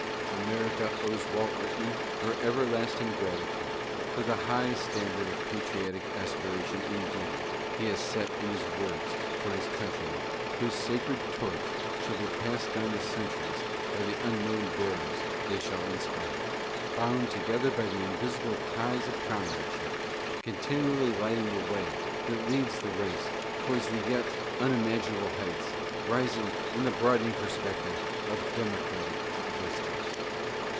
America owes Walt Whitman her everlasting gratitude for the high standard of patriotic aspiration and duty he has set in his words for his countrymen, and whose sacred torch shall be passed down the centuries by the unknown bearers they shall inspire, bound together by the invisible ties of comradeship, continually lighting the way that leads the race towards as yet unimaginable heights rising in the broadening perspective of "Democratic Vistas."